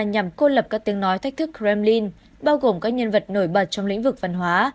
nhằm cô lập các tiếng nói thách thức kremlin bao gồm các nhân vật nổi bật trong lĩnh vực văn hóa